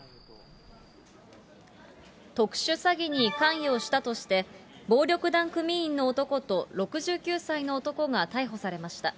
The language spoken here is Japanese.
特殊詐欺に関与したとして、暴力団組員の男と６９歳の男が逮捕されました。